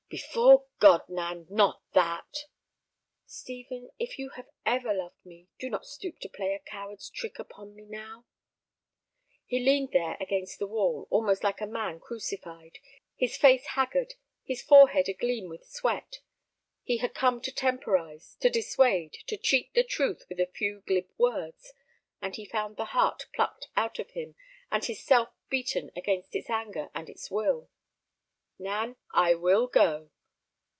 "Before God, Nan, not that!" "Stephen, if you have ever loved me, do not stoop to play a coward's trick upon me now." He leaned there against the wall, almost like a man crucified, his face haggard, his forehead agleam with sweat. He had come to temporize, to dissuade, to cheat the truth with a few glib words, and he found the heart plucked out of him, and his self beaten against its anger and its will. "Nan, I will go."